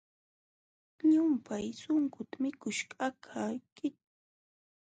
Llumpay sankuta mikuśhqa aka kićhkiqlunkimanmi.